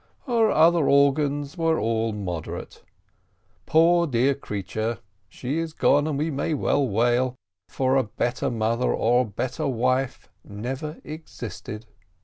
Her other organs were all moderate. Poor dear creature! she is gone, and we may well wail, for a better mother or a better wife never existed.